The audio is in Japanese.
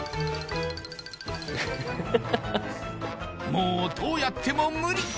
もうどうやっても無理！